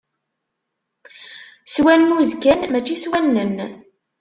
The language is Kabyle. S wannuz kan mačči s wannen!